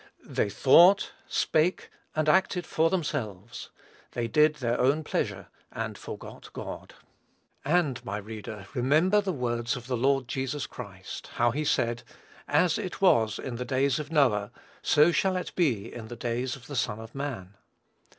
They thought, spake, and acted for themselves. They did their own pleasure, and forgot God. And, my reader, remember the words of the Lord Jesus Christ, how he said, "as it was in the days of Noah, so shall it be in the days of the Son of man."